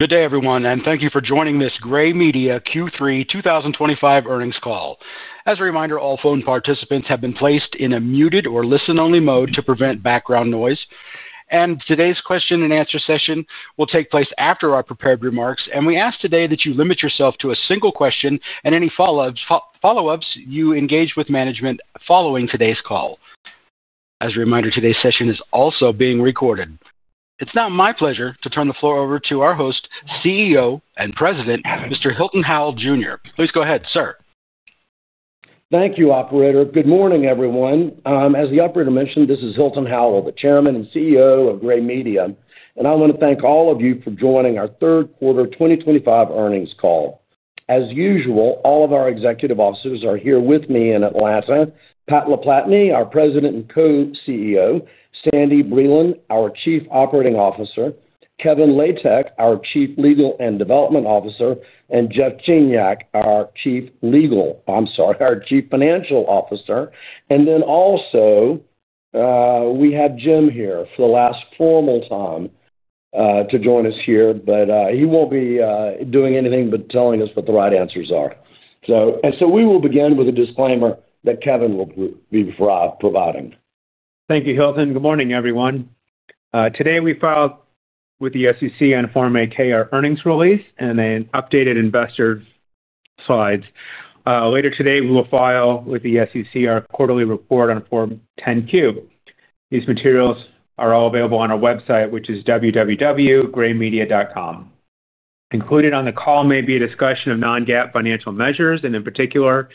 Good day, everyone, and thank you for joining this Gray Media Q3 2025 earnings call. As a reminder, all phone participants have been placed in a muted or listen-only mode to prevent background noise. Today's question-and-answer session will take place after our prepared remarks, and we ask today that you limit yourself to a single question and any follow-ups you engage with management following today's call. As a reminder, today's session is also being recorded. It is now my pleasure to turn the floor over to our host, CEO and President, Mr. Hilton Howell, Jr. Please go ahead, sir. Thank you, Operator. Good morning, everyone. As the Operator mentioned, this is Hilton Howell, the Chairman and CEO of Gray Media, and I want to thank all of you for joining our third quarter 2025 earnings call. As usual, all of our executive officers are here with me in Atlanta: Pat LaPlatney, our President and Co-CEO; Sandy Breland, our Chief Operating Officer; Kevin Latek, our Chief Legal and Development Officer; and Jeff Gignac, our Chief Financial Officer. And then also we have Jim here for the last formal time to join us here, but he will not be doing anything but telling us what the right answers are. We will begin with a disclaimer that Kevin will be providing. Thank you, Hilton. Good morning, everyone. Today we filed with the SEC on Form 8-K, our earnings release, and then updated investor slides. Later today, we will file with the SEC our quarterly report on Form 10-Q. These materials are all available on our website, which is www.graymedia.com. Included on the call may be a discussion of non-GAAP financial measures, and in particular,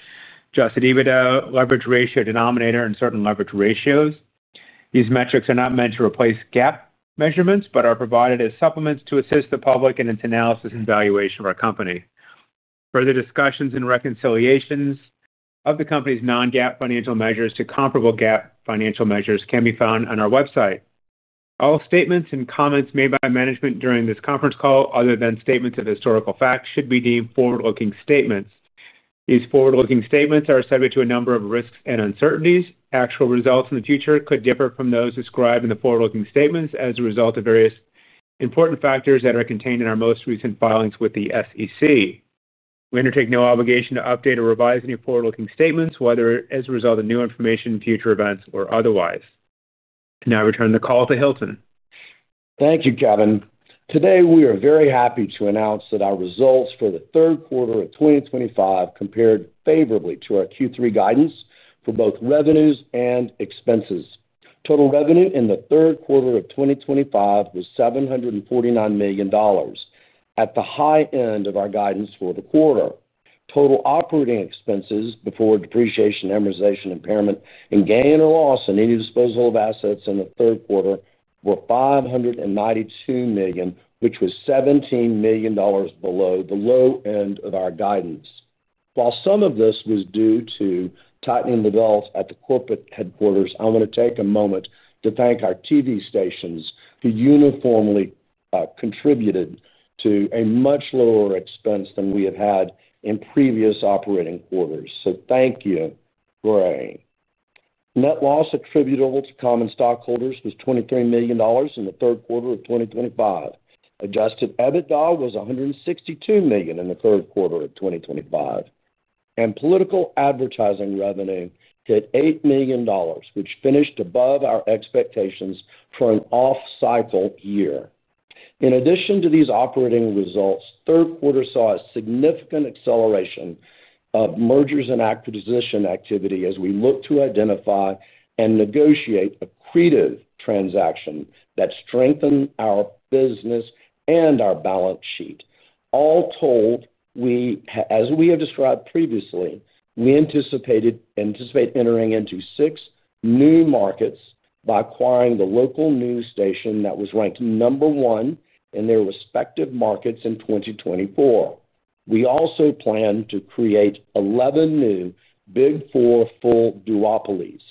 adjusted EBITDA, leverage ratio, denominator, and certain leverage ratios. These metrics are not meant to replace GAAP measurements but are provided as supplements to assist the public in its analysis and valuation of our company. Further discussions and reconciliations of the company's non-GAAP financial measures to comparable GAAP financial measures can be found on our website. All statements and comments made by management during this conference call, other than statements of historical fact, should be deemed forward-looking statements. These forward-looking statements are subject to a number of risks and uncertainties. Actual results in the future could differ from those described in the forward-looking statements as a result of various important factors that are contained in our most recent filings with the SEC. We undertake no obligation to update or revise any forward-looking statements, whether as a result of new information, future events, or otherwise. Now I return the call to Hilton. Thank you, Kevin. Today, we are very happy to announce that our results for the third quarter of 2025 compared favorably to our Q3 guidance for both revenues and expenses. Total revenue in the third quarter of 2025 was $749 million, at the high end of our guidance for the quarter. Total operating expenses before depreciation, amortization, impairment, and gain or loss in any disposal of assets in the third quarter were $592 million, which was $17 million below the low end of our guidance. While some of this was due to tightening the belt at the corporate headquarters, I want to take a moment to thank our TV stations who uniformly contributed to a much lower expense than we have had in previous operating quarters. So thank you, Gray. Net loss attributable to common stockholders was $23 million in the third quarter of 2025. Adjusted EBITDA was $162 million in the third quarter of 2025. Political advertising revenue hit $8 million, which finished above our expectations for an off-cycle year. In addition to these operating results, the third quarter saw a significant acceleration of mergers and acquisition activity as we looked to identify and negotiate accretive transactions that strengthen our business and our balance sheet. All told, as we have described previously, we anticipate entering into six new markets by acquiring the local news station that was ranked number one in their respective markets in 2024. We also plan to create 11 new Big Four full duopolies.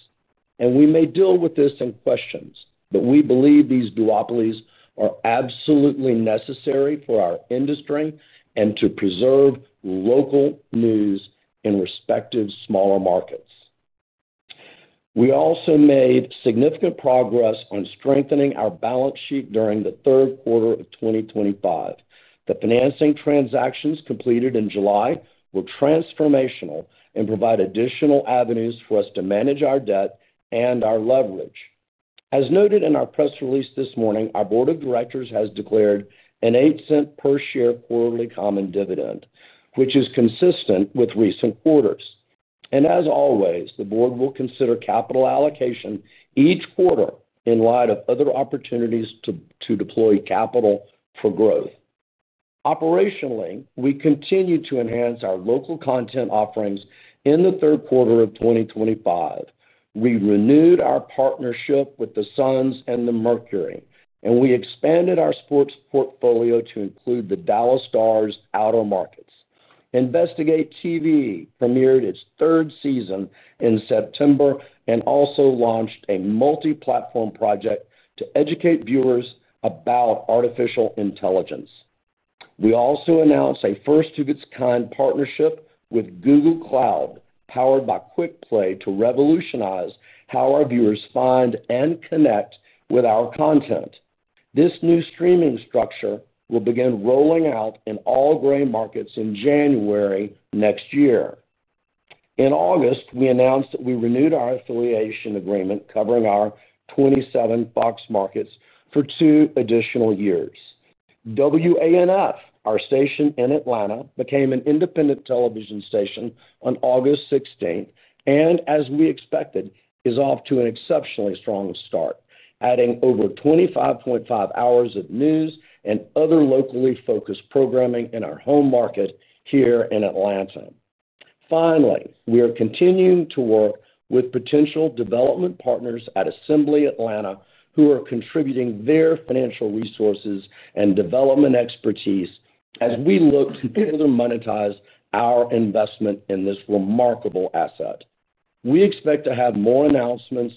We may deal with this in questions, but we believe these duopolies are absolutely necessary for our industry and to preserve local news in respective smaller markets. We also made significant progress on strengthening our balance sheet during the third quarter of 2025. The financing transactions completed in July were transformational and provide additional avenues for us to manage our debt and our leverage. As noted in our press release this morning, our Board of Directors has declared an $0.08 per share quarterly common dividend, which is consistent with recent quarters. As always, the Board will consider capital allocation each quarter in light of other opportunities to deploy capital for growth. Operationally, we continue to enhance our local content offerings in the third quarter of 2025. We renewed our partnership with the Suns and the Mercury, and we expanded our sports portfolio to include the Dallas Stars outer markets. Investigate TV premiered its third season in September and also launched a multi-platform project to educate viewers about artificial intelligence. We also announced a first-of-its-kind partnership with Google Cloud powered by Quick Play to revolutionize how our viewers find and connect with our content. This new streaming structure will begin rolling out in all Gray markets in January next year. In August, we announced that we renewed our affiliation agreement covering our 27 Fox markets for two additional years. WANF, our station in Atlanta, became an independent television station on August 16 and, as we expected, is off to an exceptionally strong start, adding over 25.5 hours of news and other locally focused programming in our home market here in Atlanta. Finally, we are continuing to work with potential development partners at Assembly Atlanta who are contributing their financial resources and development expertise as we look to further monetize our investment in this remarkable asset. We expect to have more announcements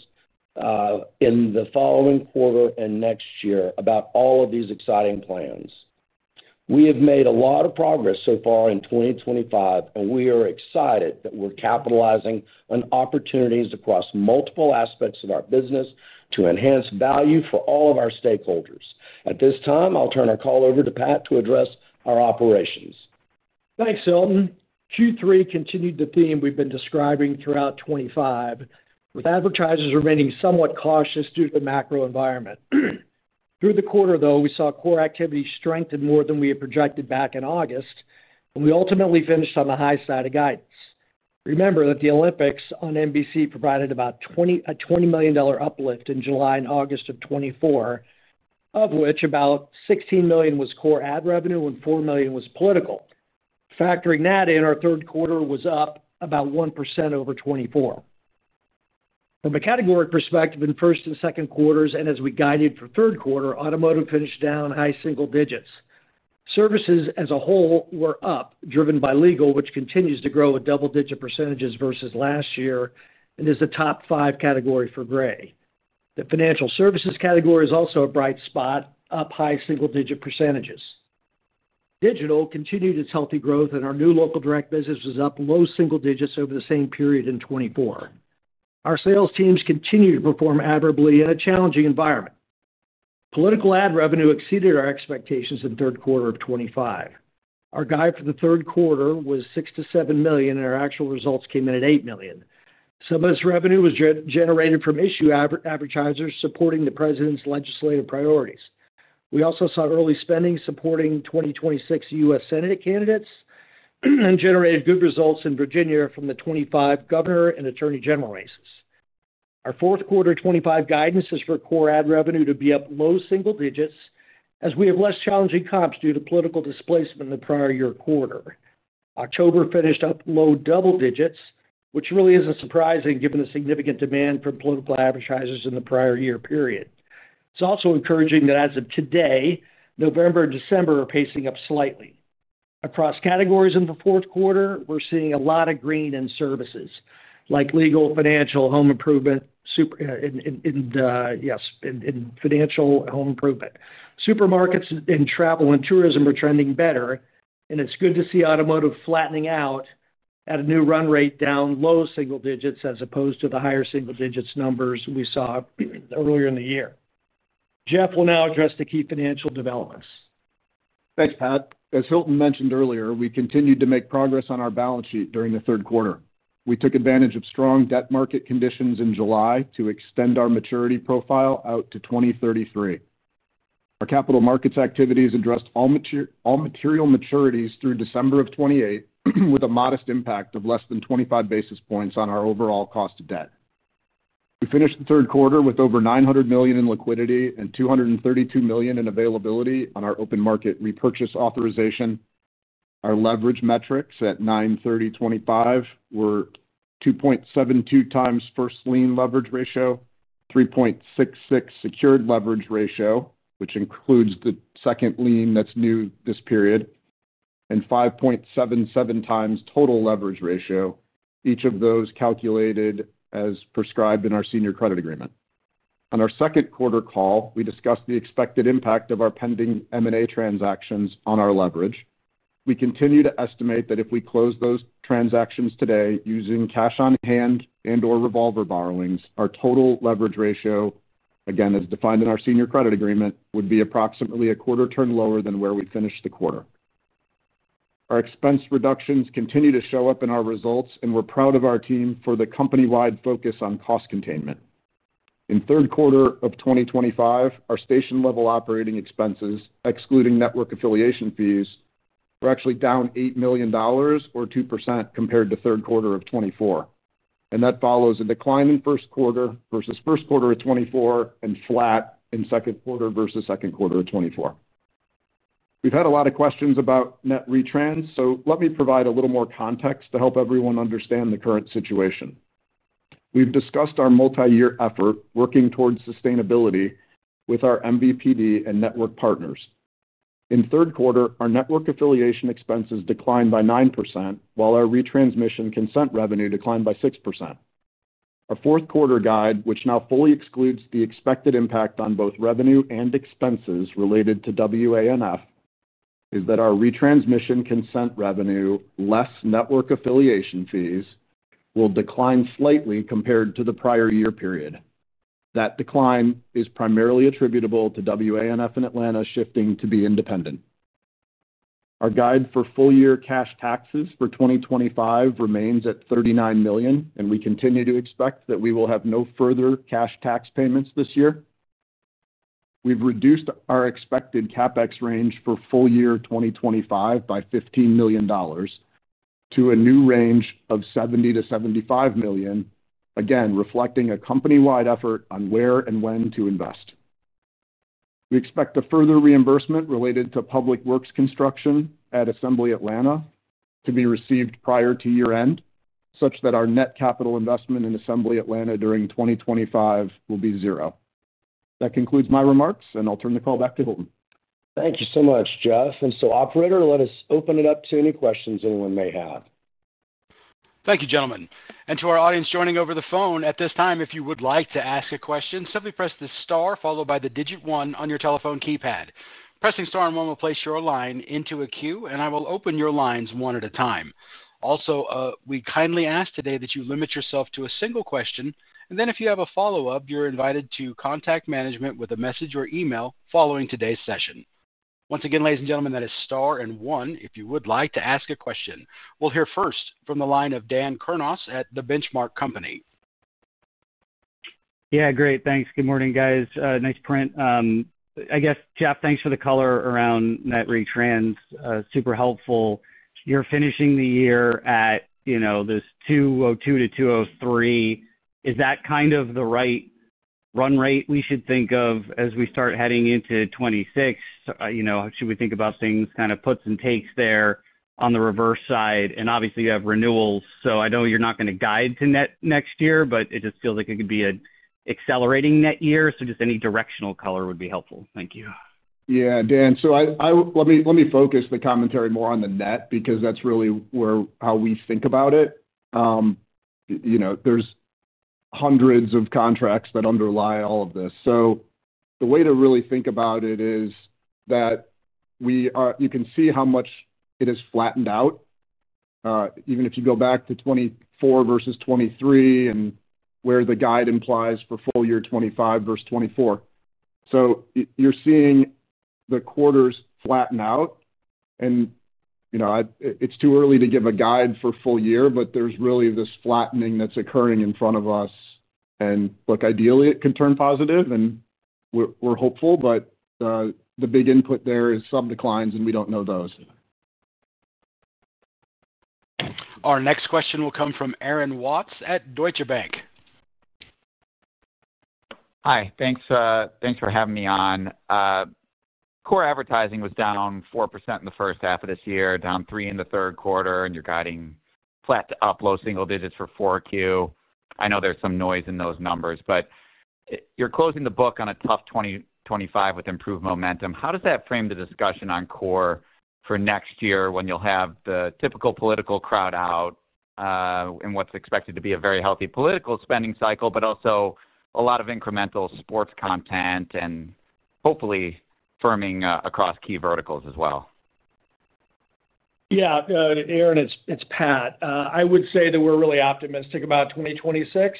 in the following quarter and next year about all of these exciting plans. We have made a lot of progress so far in 2025, and we are excited that we're capitalizing on opportunities across multiple aspects of our business to enhance value for all of our stakeholders. At this time, I'll turn our call over to Pat to address our operations. Thanks, Hilton. Q3 continued the theme we've been describing throughout 2025, with advertisers remaining somewhat cautious due to the macro environment. Through the quarter, though, we saw core activity strengthen more than we had projected back in August, and we ultimately finished on the high side of guidance. Remember that the Olympics on NBC provided about a $20 million uplift in July and August of 2024, of which about $16 million was core ad revenue and $4 million was political. Factoring that in, our third quarter was up about 1% over 2024. From a categoric perspective in first and second quarters, and as we guided for third quarter, automotive finished down high single digits. Services as a whole were up, driven by legal, which continues to grow at double-digit percentages versus last year and is the top five category for Gray. The financial services category is also a bright spot, up high single-digit percentages. Digital continued its healthy growth, and our new local direct business was up low single digits over the same period in 2024. Our sales teams continue to perform admirably in a challenging environment. Political ad revenue exceeded our expectations in third quarter of 2025. Our guide for the third quarter was $6 million-$7 million, and our actual results came in at $8 million. Some of this revenue was generated from issue advertisers supporting the president's legislative priorities. We also saw early spending supporting 2026 U.S. Senate candidates and generated good results in Virginia from the 2025 governor and attorney general races. Our fourth quarter 2025 guidance is for core ad revenue to be up low single digits as we have less challenging comps due to political displacement in the prior year quarter. October finished up low double digits, which really isn't surprising given the significant demand from political advertisers in the prior year period. It's also encouraging that as of today, November and December are pacing up slightly. Across categories in the fourth quarter, we're seeing a lot of green in services like legal, financial, home improvement, and yes, in financial home improvement. Supermarkets and travel and tourism are trending better, and it's good to see automotive flattening out at a new run rate down low single digits as opposed to the higher single digits numbers we saw earlier in the year. Jeff will now address the key financial developments. Thanks, Pat. As Hilton mentioned earlier, we continued to make progress on our balance sheet during the third quarter. We took advantage of strong debt market conditions in July to extend our maturity profile out to 2033. Our capital markets activities addressed all material maturities through December of 2028, with a modest impact of less than 25 basis points on our overall cost of debt. We finished the third quarter with over $900 million in liquidity and $232 million in availability on our open market repurchase authorization. Our leverage metrics at 9/30/2025 were 2.72x first lien leverage ratio, 3.66 secured leverage ratio, which includes the second lien that's new this period, and 5.77x total leverage ratio, each of those calculated as prescribed in our senior credit agreement. On our second quarter call, we discussed the expected impact of our pending M&A transactions on our leverage. We continue to estimate that if we close those transactions today using cash on hand and/or revolver borrowings, our total leverage ratio, again, as defined in our senior credit agreement, would be approximately a quarter turn lower than where we finished the quarter. Our expense reductions continue to show up in our results, and we're proud of our team for the company-wide focus on cost containment. In third quarter of 2025, our station-level operating expenses, excluding network affiliation fees, were actually down $8 million, or 2%, compared to third quarter of 2024. That follows a decline in first quarter versus first quarter of 2024 and flat in second quarter versus second quarter of 2024. We've had a lot of questions about net retrans, so let me provide a little more context to help everyone understand the current situation. We've discussed our multi-year effort working towards sustainability with our MVPD and network partners. In third quarter, our network affiliation expenses declined by 9%, while our retransmission consent revenue declined by 6%. Our fourth quarter guide, which now fully excludes the expected impact on both revenue and expenses related to WANF, is that our retransmission consent revenue, less network affiliation fees, will decline slightly compared to the prior year period. That decline is primarily attributable to WANF and Atlanta shifting to be independent. Our guide for full-year cash taxes for 2025 remains at $39 million, and we continue to expect that we will have no further cash tax payments this year. We've reduced our expected CapEx range for full year 2025 by $15 million to a new range of $70 million-$75 million, again, reflecting a company-wide effort on where and when to invest. We expect a further reimbursement related to public works construction at Assembly Atlanta to be received prior to year-end, such that our net capital investment in Assembly Atlanta during 2025 will be zero. That concludes my remarks, and I'll turn the call back to Hilton. Thank you so much, Jeff. Operator, let us open it up to any questions anyone may have. Thank you, gentlemen. To our audience joining over the phone, at this time, if you would like to ask a question, simply press the star followed by the digit one on your telephone keypad. Pressing star and one will place your line into a queue, and I will open your lines one at a time. Also, we kindly ask today that you limit yourself to a single question, and then if you have a follow-up, you are invited to contact management with a message or email following today's session. Once again, ladies and gentlemen, that is star and one if you would like to ask a question. We will hear first from the line of Dan Kurnos at The Benchmark Company. Yeah, great. Thanks. Good morning, guys. Nice print. I guess, Jeff, thanks for the color around net retrans. Super helpful. You're finishing the year at this $202-$203. Is that kind of the right run rate we should think of as we start heading into 2026? Should we think about things kind of puts and takes there on the reverse side? Obviously, you have renewals, so I know you're not going to guide to net next year, but it just feels like it could be an accelerating net year, so just any directional color would be helpful. Thank you. Yeah, Dan. Let me focus the commentary more on the net because that's really how we think about it. There are hundreds of contracts that underlie all of this. The way to really think about it is that you can see how much it has flattened out, even if you go back to 2024 versus 2023 and where the guide implies for full year 2025 versus 2024. You are seeing the quarters flatten out, and it's too early to give a guide for full year, but there is really this flattening that's occurring in front of us. Look, ideally, it can turn positive, and we're hopeful, but the big input there is some declines, and we do not know those. Our next question will come from Aaron Watts at Deutsche Bank. Hi. Thanks for having me on. Core advertising was down 4% in the first half of this year, down 3% in the third quarter, and you're guiding flat to up low single digits for Q4. I know there's some noise in those numbers, but you're closing the book on a tough 2025 with improved momentum. How does that frame the discussion on core for next year when you'll have the typical political crowd out and what's expected to be a very healthy political spending cycle, but also a lot of incremental sports content and hopefully firming across key verticals as well? Yeah. Aaron, it's Pat. I would say that we're really optimistic about 2026.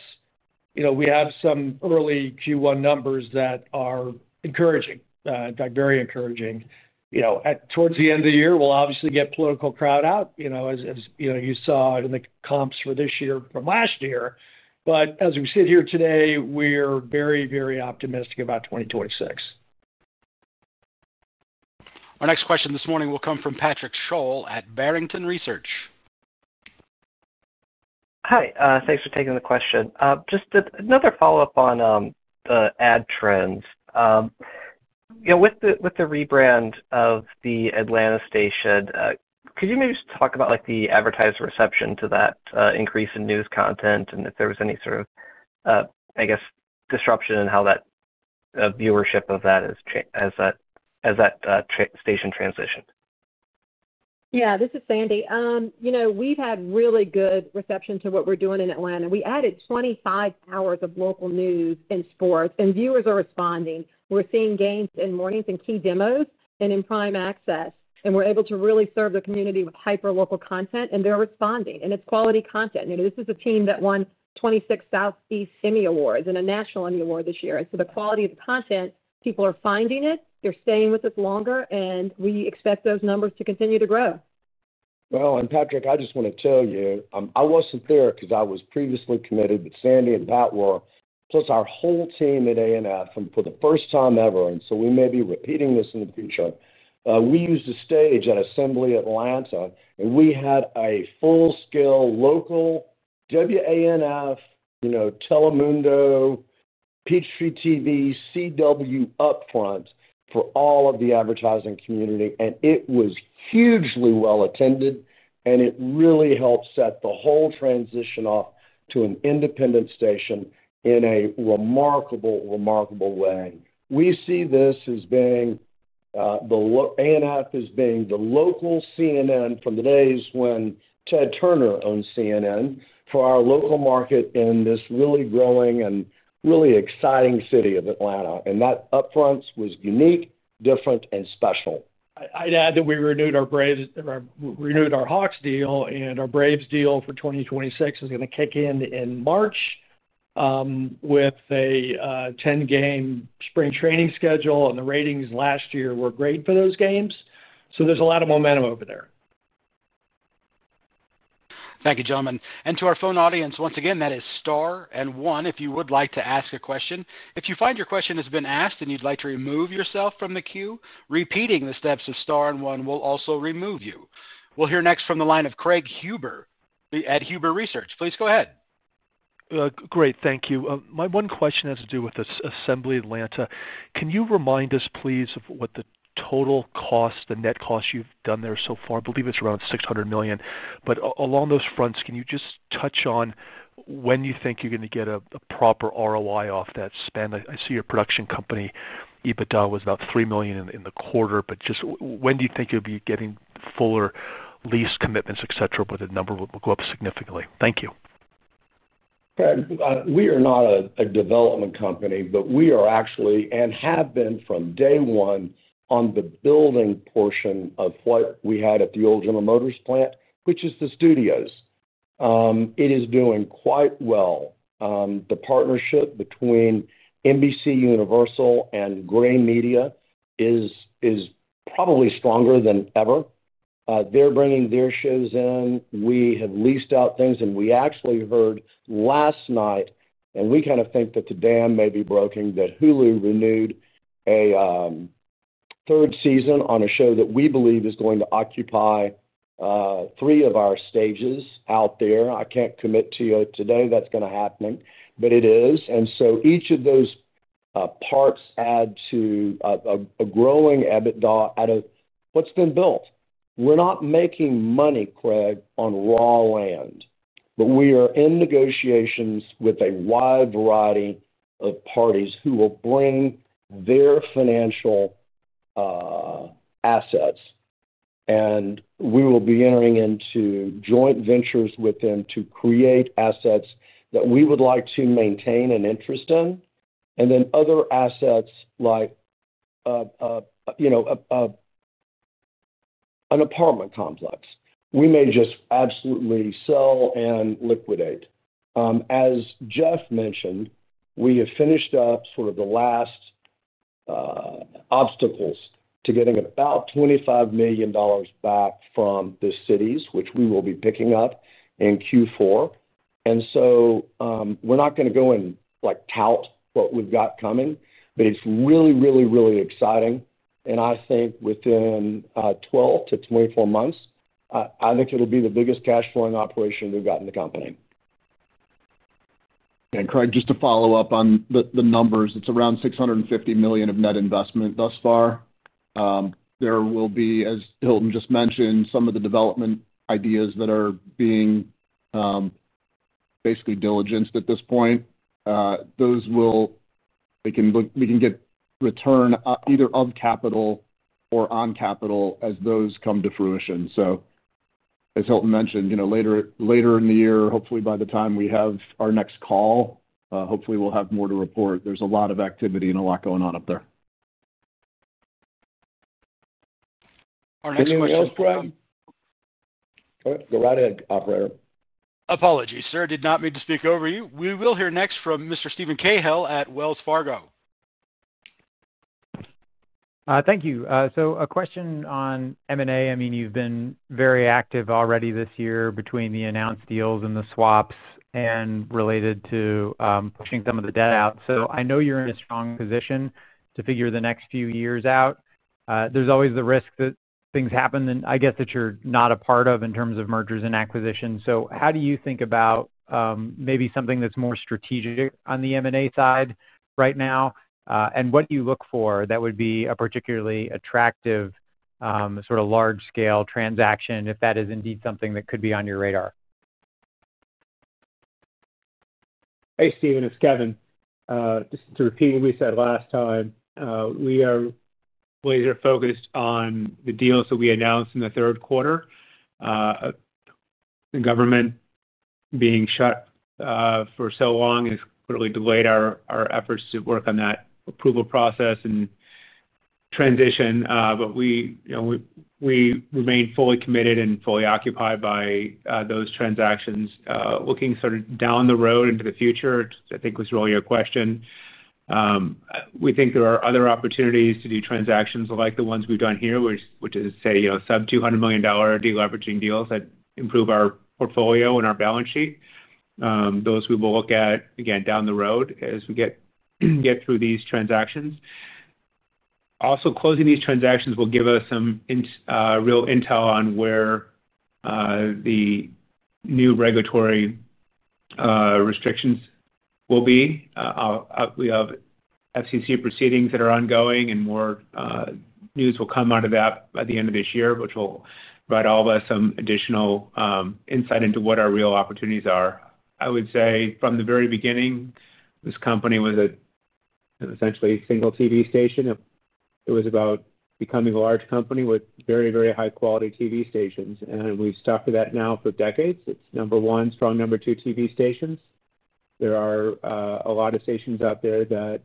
We have some early Q1 numbers that are encouraging, in fact, very encouraging. Towards the end of the year, we'll obviously get political crowd out, as you saw in the comps for this year from last year. As we sit here today, we're very, very optimistic about 2026. Our next question this morning will come from Patrick Scholl at Barrington Research. Hi. Thanks for taking the question. Just another follow-up on the ad trends. With the rebrand of the Atlanta station, could you maybe just talk about the advertiser reception to that increase in news content and if there was any sort of, I guess, disruption in how that viewership of that as that station transitioned? Yeah, this is Sandy. We've had really good reception to what we're doing in Atlanta. We added 25 hours of local news and sports, and viewers are responding. We're seeing gains in mornings and key demos and in prime access, and we're able to really serve the community with hyper-local content, and they're responding, and it's quality content. This is a team that won 26 Southeast Emmy Awards and a National Emmy Award this year. The quality of the content, people are finding it, they're staying with us longer, and we expect those numbers to continue to grow. Patrick, I just want to tell you, I was not there because I was previously committed, but Sandy and Pat were, plus our whole team at WANF for the first time ever, and we may be repeating this in the future. We used the stage at Assembly Atlanta, and we had a full-scale local WANF, Telemundo, Peachtree TV, CW upfront for all of the advertising community, and it was hugely well attended, and it really helped set the whole transition off to an independent station in a remarkable, remarkable way. We see this as being the WANF as being the local CNN from the days when Ted Turner owned CNN for our local market in this really growing and really exciting city of Atlanta. That upfront was unique, different, and special. I'd add that we renewed our Hawks deal, and our Braves deal for 2026 is going to kick in in March with a 10-game spring training schedule, and the ratings last year were great for those games. There is a lot of momentum over there. Thank you, gentlemen. To our phone audience, once again, that is star and one if you would like to ask a question. If you find your question has been asked and you would like to remove yourself from the queue, repeating the steps of star and one will also remove you. We will hear next from the line of Craig Huber at Huber Research. Please go ahead. Great. Thank you. My one question has to do with Assembly Atlanta. Can you remind us, please, of what the total cost, the net cost you've done there so far? I believe it's around $600 million. Along those fronts, can you just touch on when you think you're going to get a proper ROI off that spend? I see your production company, EBITDA, was about $3 million in the quarter, but just when do you think you'll be getting fuller lease commitments, etc., where the number will go up significantly? Thank you. We are not a development company, but we are actually and have been from day one on the building portion of what we had at the old General Motors plant, which is the studios. It is doing quite well. The partnership between NBC Universal and Gray Media is probably stronger than ever. They're bringing their shows in. We have leased out things, and we actually heard last night, and we kind of think that the dam may be broken, that Hulu renewed a third season on a show that we believe is going to occupy three of our stages out there. I can't commit to you today that's going to happen, but it is. Each of those parts add to a growing EBITDA out of what's been built. We're not making money, Craig, on raw land, but we are in negotiations with a wide variety of parties who will bring their financial assets. We will be entering into joint ventures with them to create assets that we would like to maintain an interest in, and then other assets like an apartment complex. We may just absolutely sell and liquidate. As Jeff mentioned, we have finished up sort of the last obstacles to getting about $25 million back from the cities, which we will be picking up in Q4. We're not going to go and tout what we've got coming, but it's really, really, really exciting. I think within 12 to 24 months, I think it'll be the biggest cash-flowing operation we've got in the company. Craig, just to follow up on the numbers, it's around $650 million of net investment thus far. There will be, as Hilton just mentioned, some of the development ideas that are being basically diligenced at this point. Those will we can get return either of capital or on capital as those come to fruition. As Hilton mentioned, later in the year, hopefully by the time we have our next call, hopefully we'll have more to report. There's a lot of activity and a lot going on up there. Anything else, Brad? Go right ahead, operator. Apologies. Sir, did not mean to speak over you. We will hear next from Mr. Steven Cahall at Wells Fargo. Thank you. A question on M&A. I mean, you've been very active already this year between the announced deals and the swaps and related to pushing some of the debt out. I know you're in a strong position to figure the next few years out. There's always the risk that things happen, and I guess that you're not a part of in terms of mergers and acquisitions. How do you think about maybe something that's more strategic on the M&A side right now, and what do you look for that would be a particularly attractive sort of large-scale transaction if that is indeed something that could be on your radar? Hey, Stephen, it's Kevin. Just to repeat what we said last time, we are laser-focused on the deals that we announced in the third quarter. The government being shut for so long has clearly delayed our efforts to work on that approval process and transition, but we remain fully committed and fully occupied by those transactions. Looking sort of down the road into the future, I think was really a question. We think there are other opportunities to do transactions like the ones we've done here, which is, say, sub-$200 million deleveraging deals that improve our portfolio and our balance sheet. Those we will look at, again, down the road as we get through these transactions. Also, closing these transactions will give us some real intel on where the new regulatory restrictions will be. We have FCC proceedings that are ongoing, and more news will come out of that by the end of this year, which will provide all of us some additional insight into what our real opportunities are. I would say from the very beginning, this company was essentially a single TV station. It was about becoming a large company with very, very high-quality TV stations, and we've stuck with that now for decades. It's number one, strong number two TV stations. There are a lot of stations out there that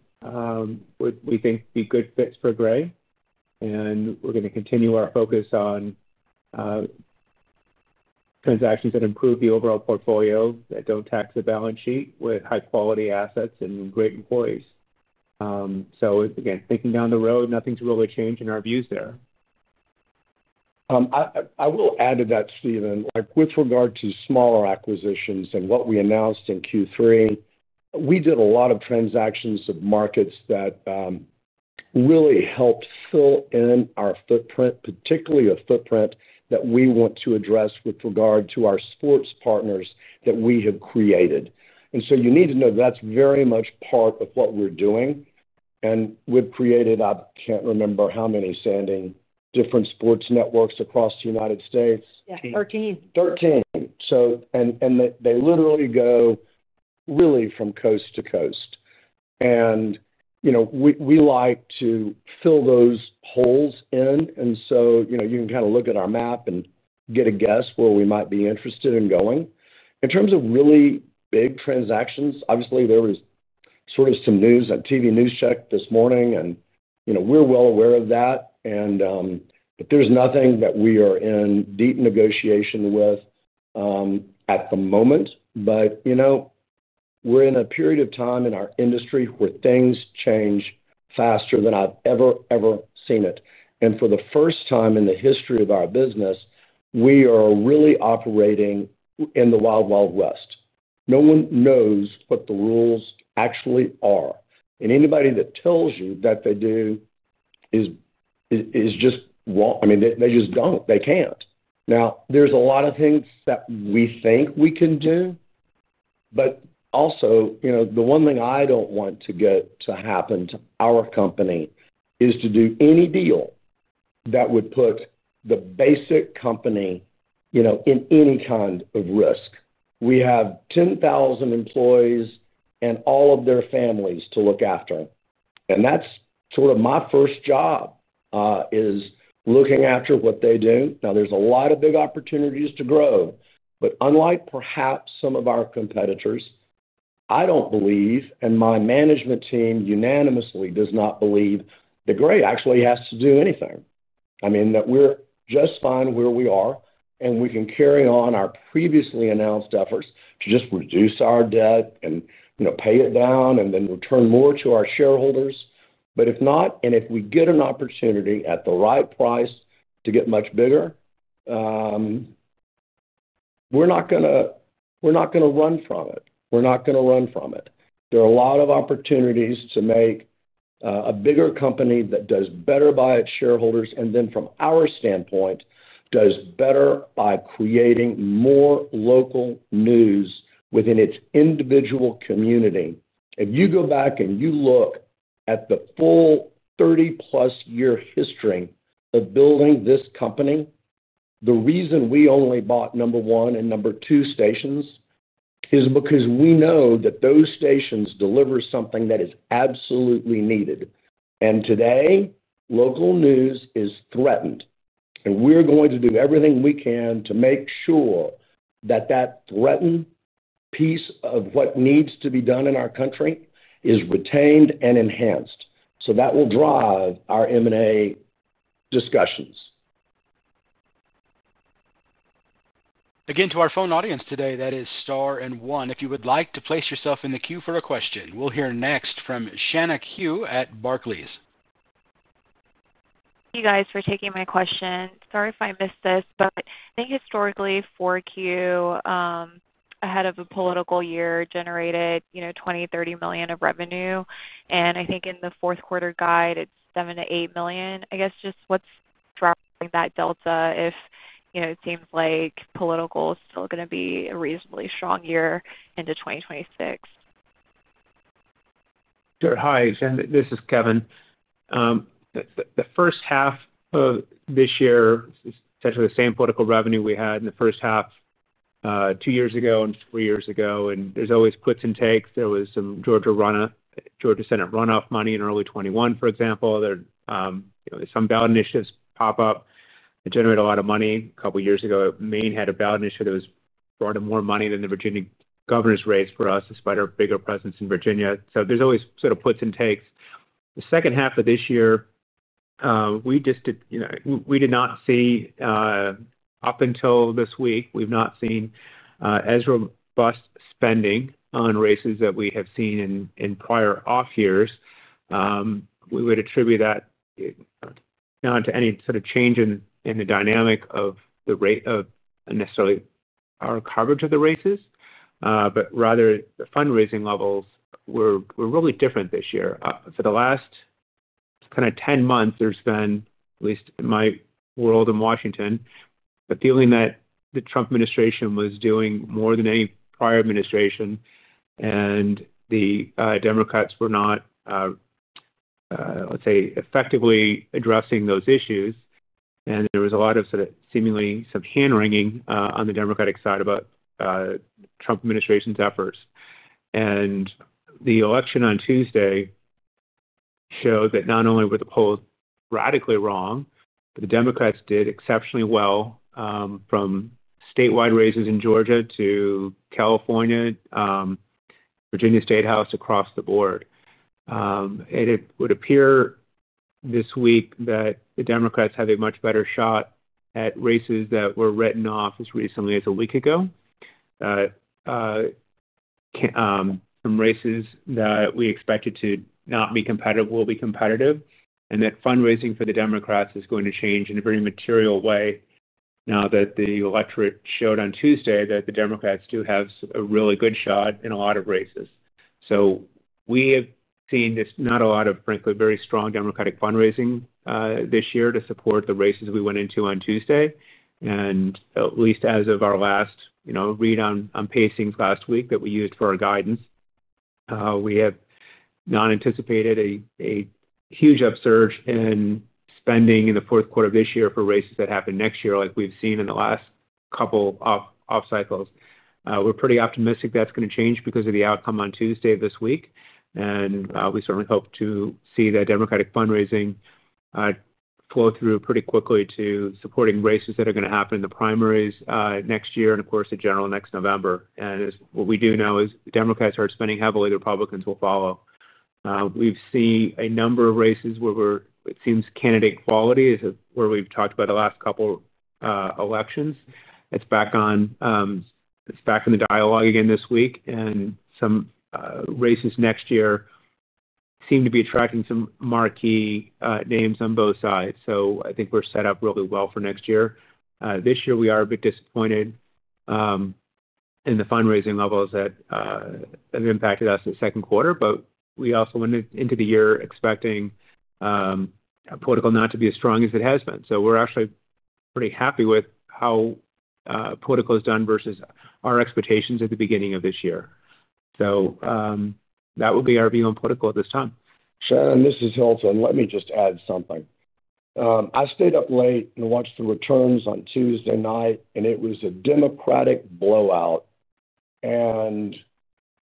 we think would be good fits for Gray, and we're going to continue our focus on transactions that improve the overall portfolio that do not tax the balance sheet with high-quality assets and great employees. Again, thinking down the road, nothing's really changed in our views there. I will add to that, Stephen. With regard to smaller acquisitions and what we announced in Q3, we did a lot of transactions of markets that really helped fill in our footprint, particularly a footprint that we want to address with regard to our sports partners that we have created. You need to know that that's very much part of what we're doing. We have created, I can't remember how many, Sandy, different sports networks across the United States. Yeah, 13. They literally go really from coast to coast. We like to fill those holes in, and so you can kind of look at our map and get a guess where we might be interested in going. In terms of really big transactions, obviously, there was sort of some news on TV News Check this morning, and we are well aware of that, but there is nothing that we are in deep negotiation with at the moment. We are in a period of time in our industry where things change faster than I have ever, ever seen it. For the first time in the history of our business, we are really operating in the wild, wild west. No one knows what the rules actually are. Anybody that tells you that they do is just walk—I mean, they just do not. They cannot. Now, there's a lot of things that we think we can do, but also the one thing I don't want to get to happen to our company is to do any deal that would put the basic company in any kind of risk. We have 10,000 employees and all of their families to look after. That's sort of my first job, is looking after what they do. Now, there's a lot of big opportunities to grow. Unlike perhaps some of our competitors, I don't believe, and my management team unanimously does not believe, that Gray actually has to do anything. I mean, we're just fine where we are, and we can carry on our previously announced efforts to just reduce our debt and pay it down and then return more to our shareholders. If we get an opportunity at the right price to get much bigger, we're not going to run from it. We're not going to run from it. There are a lot of opportunities to make a bigger company that does better by its shareholders and then, from our standpoint, does better by creating more local news within its individual community. If you go back and you look at the full 30+ year history of building this company, the reason we only bought number one and number two stations is because we know that those stations deliver something that is absolutely needed. Today, local news is threatened. We're going to do everything we can to make sure that that threatened piece of what needs to be done in our country is retained and enhanced. That will drive our M&A discussions. Again, to our phone audience today, that is star and one, if you would like to place yourself in the queue for a question, we'll hear next from Shanna Qiu at Barclays. Thank you guys for taking my question. Sorry if I missed this, but I think historically, Q4, ahead of a political year, generated $20 million, $30 million of revenue. And I think in the fourth quarter guide, it's $7 million-$8 million. I guess just what's driving that delta if it seems like political is still going to be a reasonably strong year into 2026. Sure. Hi, Sandy. This is Kevin. The first half of this year is essentially the same political revenue we had in the first half two years ago and three years ago. There is always puts and takes. There was some Georgia Senate runoff money in early 2021, for example. There are some ballot initiatives pop up that generate a lot of money. A couple of years ago, Maine had a ballot initiative that brought in more money than the Virginia governor's race for us despite our bigger presence in Virginia. There is always sort of puts and takes. The second half of this year, we did not see up until this week, we have not seen as robust spending on races that we have seen in prior off-years. We would attribute that not to any sort of change in the dynamic of the rate of necessarily our coverage of the races, but rather the fundraising levels were really different this year. For the last kind of 10 months, there has been, at least in my world in Washington, a feeling that the Trump administration was doing more than any prior administration, and the Democrats were not, let's say, effectively addressing those issues. There was a lot of sort of seemingly some hand-wringing on the Democratic side about Trump administration's efforts. The election on Tuesday showed that not only were the polls radically wrong, but the Democrats did exceptionally well from statewide races in Georgia to California, Virginia Statehouse, across the board. It would appear this week that the Democrats have a much better shot at races that were written off as recently as a week ago, some races that we expected to not be competitive will be competitive, and that fundraising for the Democrats is going to change in a very material way now that the electorate showed on Tuesday that the Democrats do have a really good shot in a lot of races. We have seen just not a lot of, frankly, very strong Democratic fundraising this year to support the races we went into on Tuesday. At least as of our last read on pacings last week that we used for our guidance, we have not anticipated a huge upsurge in spending in the fourth quarter of this year for races that happen next year like we have seen in the last couple of off-cycles. We're pretty optimistic that's going to change because of the outcome on Tuesday this week. We certainly hope to see the Democratic fundraising flow through pretty quickly to supporting races that are going to happen in the primaries next year and, of course, the general next November. As we do know, as Democrats start spending heavily, the Republicans will follow. We've seen a number of races where it seems candidate quality is where we've talked about the last couple of elections. It's back in the dialogue again this week. Some races next year seem to be attracting some marquee names on both sides. I think we're set up really well for next year. This year, we are a bit disappointed in the fundraising levels that have impacted us in the second quarter, but we also went into the year expecting political not to be as strong as it has been. We are actually pretty happy with how political has done versus our expectations at the beginning of this year. That would be our view on political at this time. Shanna, this is Hilton, and let me just add something. I stayed up late and watched the returns on Tuesday night, and it was a Democratic blowout.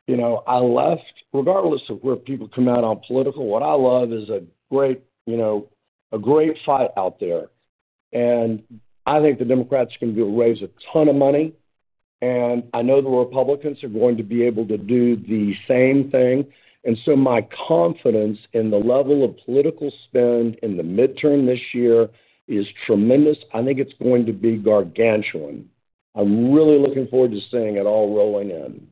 I left, regardless of where people come out on political, what I love is a great fight out there. I think the Democrats are going to be able to raise a ton of money. I know the Republicans are going to be able to do the same thing. My confidence in the level of political spend in the midterm this year is tremendous. I think it's going to be gargantuan. I'm really looking forward to seeing it all rolling in.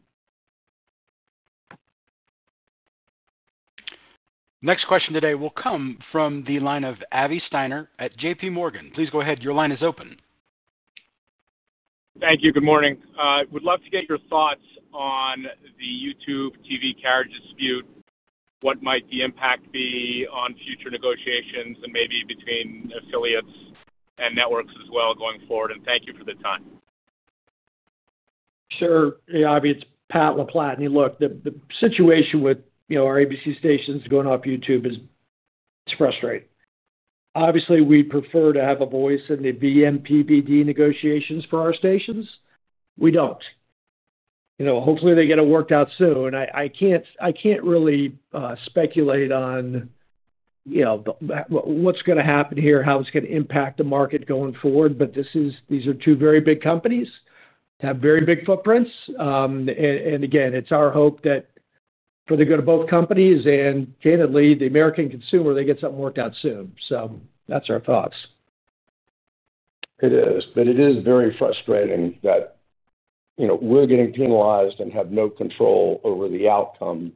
Next question today will come from the line of Avi Steiner at JPMorgan. Please go ahead. Your line is open. Thank you. Good morning. I would love to get your thoughts on the YouTube TV carriage dispute, what might the impact be on future negotiations and maybe between affiliates and networks as well going forward. Thank you for the time. Sure. Hey, Avi, it's Pat LaPlatney. Look, the situation with our ABC stations going off YouTube is frustrating. Obviously, we prefer to have a voice in the MVPD negotiations for our stations. We don't. Hopefully, they get it worked out soon. I can't really speculate on what's going to happen here, how it's going to impact the market going forward, but these are two very big companies that have very big footprints. Again, it's our hope that for the good of both companies and, candidly, the American consumer, they get something worked out soon. That's our thoughts. It is. It is very frustrating that we're getting penalized and have no control over the outcome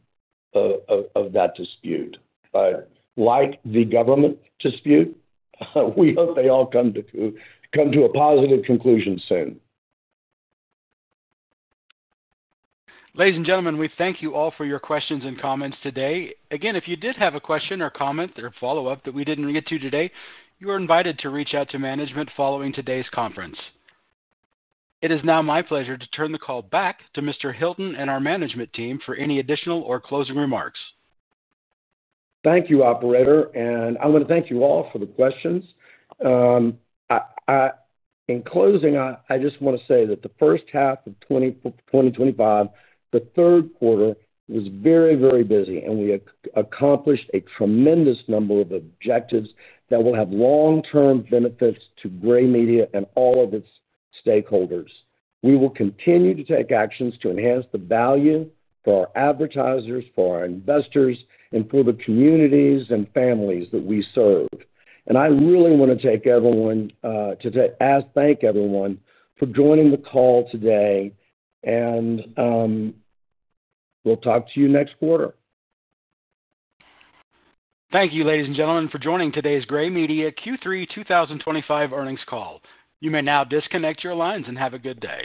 of that dispute. Like the government dispute, we hope they all come to a positive conclusion soon. Ladies and gentlemen, we thank you all for your questions and comments today. Again, if you did have a question or comment or follow-up that we did not get to today, you are invited to reach out to management following today's conference. It is now my pleasure to turn the call back to Mr. Hilton and our management team for any additional or closing remarks. Thank you, Operator. I want to thank you all for the questions. In closing, I just want to say that the first half of 2025, the third quarter was very, very busy, and we accomplished a tremendous number of objectives that will have long-term benefits to Gray Media and all of its stakeholders. We will continue to take actions to enhance the value for our advertisers, for our investors, and for the communities and families that we serve. I really want to thank everyone for joining the call today. We will talk to you next quarter. Thank you, ladies and gentlemen, for joining today's Gray Media Q3 2025 earnings call. You may now disconnect your lines and have a good day.